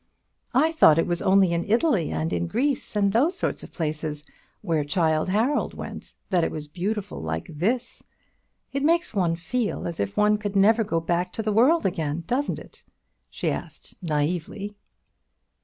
"I thought it was only in Italy and in Greece, and those sort of places where Childe Harold went that it was beautiful like this. It makes one feel as if one could never go back to the world again, doesn't it?" she asked naïvely.